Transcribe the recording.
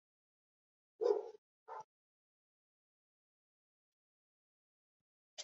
Totally Spies!